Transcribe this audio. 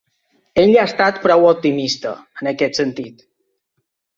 Ell ha estat prou optimista, en aquest sentit.